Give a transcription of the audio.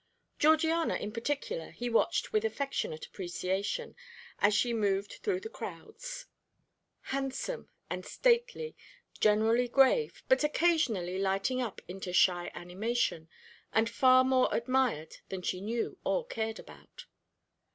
Georgiana in particular he watched with affectionate appreciation as she moved through the crowds, handsome and stately, generally grave, but occasionally lighting up into shy animation, and far more admired than she knew or cared about.